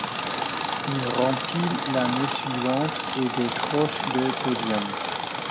Il rempile l'année suivante et décroche deux podiums.